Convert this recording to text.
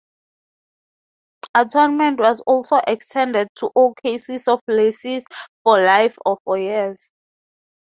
Attornment was also extended to all cases of lessees for life or for years.